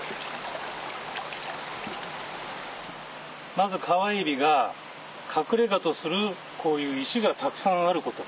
まずカワエビが隠れ家とするこういう石がたくさんあること。